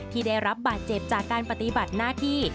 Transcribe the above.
ที่ได้รับบาดเจ็บจากการปฏิบัติหน้าที่